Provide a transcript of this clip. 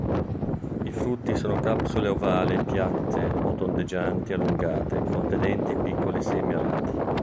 I frutti sono capsule ovali piatte o tondeggianti allungate, contenenti piccoli semi alati.